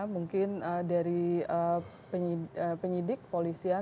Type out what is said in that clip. mungkin dari penyidik polisian